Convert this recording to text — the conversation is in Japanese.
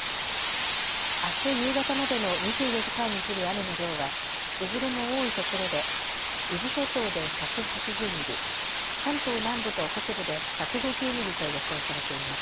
あす夕方までの２４時間に降る雨の量はいずれも多いところで伊豆諸島で１８０ミリ、関東南部と北部で１５０ミリと予想されています。